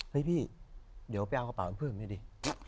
เฮ้ยพี่เดี๋ยวไปเอากระเป๋ากันเพื่อดร์ได้ดิ